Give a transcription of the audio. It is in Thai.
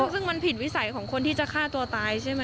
ซึ่งมันผิดวิสัยของคนที่จะฆ่าตัวตายใช่ไหม